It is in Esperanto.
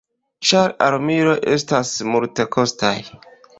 Ĉar armiloj estas multekostaj.